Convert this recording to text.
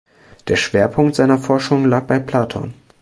Der Schwerpunkt seiner Forschungen lag bei Platon.